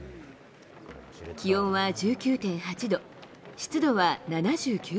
気温は１９．８度、湿度は７９％。